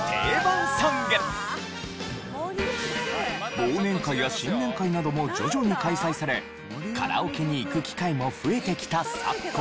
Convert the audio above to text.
忘年会や新年会なども徐々に開催されカラオケに行く機会も増えてきた昨今。